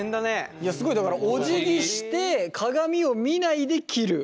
いやすごいだからおじぎして鏡を見ないで切る。